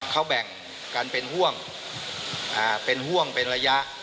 เขาแบ่งกันเป็นห่วงเป็นห่วงเป็นระยะ